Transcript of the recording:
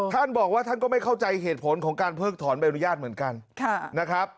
ท่านบอกว่าท่านก็ไม่เข้าใจเหตุผลของการเพิกถอนใบอนุญาตเหมือนกันนะครับ